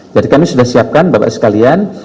jadi kami sudah siapkan bapak sekalian